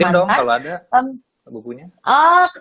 liatin dong kalo ada bukunya